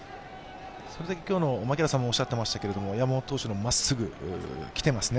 それだけ今日の、槙原さんもおっしゃっていましたけど、山本投手のまっすぐ、来ていますね。